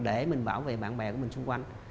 để mình bảo vệ bạn bè của mình xung quanh